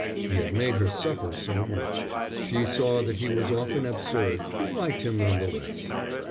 He had made her suffer so much. She saw that he was often absurd, but liked him none the less.